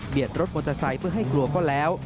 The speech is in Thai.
รถมอเตอร์ไซค์เพื่อให้กลัวก็แล้ว